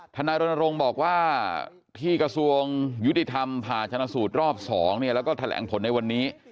นายรณรงค์บอกว่าที่กระทรวงยุติธรรมผ่าชนะสูตรรอบ๒แล้วก็แถลงผลในวันนี้